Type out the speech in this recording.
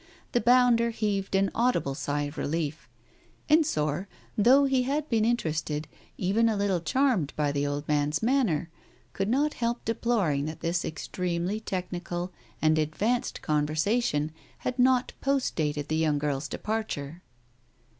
The bounder heaved an audible sigh of relief. Ensor, though he had been interested, even a little charmed by the old man's manner, could not help deploring that this extremely technical and advanced conversation had not postdated the young girl's departure.